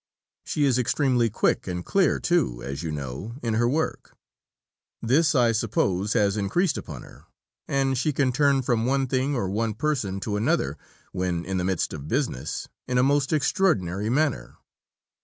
She is extremely quick and clear too, as you know, in her work. This I suppose has increased upon her, and she can turn from one thing or one person to another, when in the midst of business, in a most extraordinary manner.